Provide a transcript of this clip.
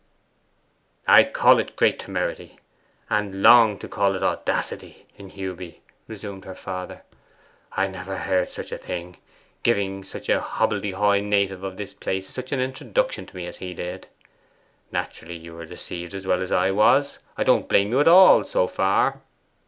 'I call it great temerity and long to call it audacity in Hewby,' resumed her father. 'I never heard such a thing giving such a hobbledehoy native of this place such an introduction to me as he did. Naturally you were deceived as well as I was. I don't blame you at all, so far.